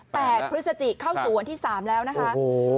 พฤศจิเข้าสู่วันที่สามแล้วนะคะโอ้โห